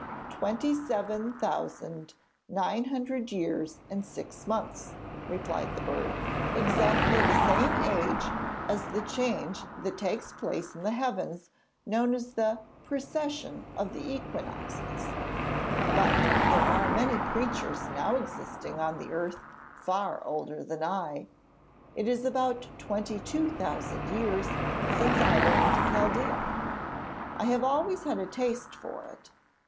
'Twenty seven thousand nine hundred years and six months,' replied the bird. 'Exactly the same age as the change that takes place in the heavens known as the "precession of the equinoxes," but there are many creatures now existing on the earth far older than I. It is about twenty two thousand years since I learned Chaldæan. I have always had a taste for it.